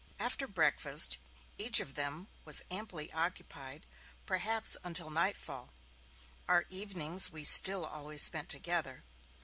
After breakfast, each of them was amply occupied, perhaps until night fall; our evenings we still always spent together.